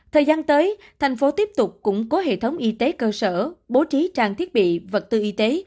thời gian tới thành phố tiếp tục củng cố hệ thống y tế cơ sở bố trí trang thiết bị vật tư y tế